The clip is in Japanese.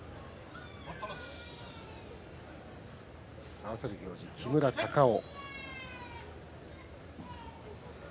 合わせる行司、木村隆男。